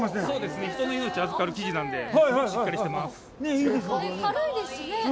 そうですね。